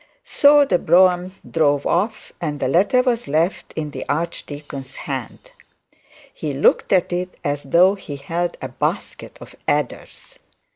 So the brougham drove off, and the letter was left in the archdeacon's hand. He looked at it as though he held a basket of adders.